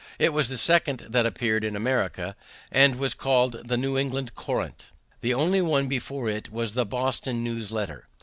It was the second that appeared in America, and was called the New England Courant. The only one before it was the Boston News Letter.